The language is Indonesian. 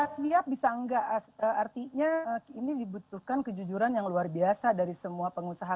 setiap bisa enggak as artinya ini dibutuhkan kejujuran yang luar biasa dari semua pengusaha